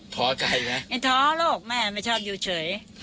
ท้อใครนะท้อโรคแม่ไม่ชอบอยู่เฉย